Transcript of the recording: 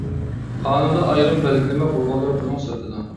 قانۇندا ئايرىم بەلگىلىمە بولغانلىرى بۇنىڭ سىرتىدا.